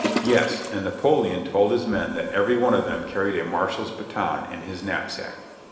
Yes ! and Napo leon told his men that "every one of them carried a marshal's baton in his knapsack."